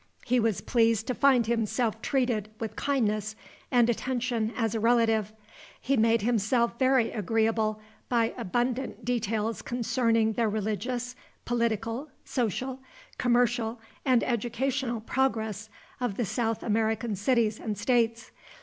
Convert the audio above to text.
He was pleased to find himself treated with kindness and attention as a relative. He made himself very agreeable by abundant details concerning the religious, political, social, commercial, and educational progress of the South American cities and states.